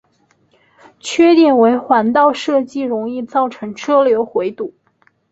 缺点为环道设计容易造成车流回堵。